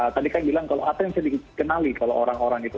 tadi kan bilang kalau apa yang bisa dikenali kalau orang orang itu